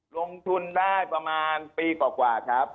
ลงทุนได้ประมาณปีกว่าครับ